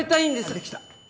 できた。